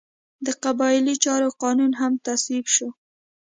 د قبایلي چارو قانون هم تصویب شو.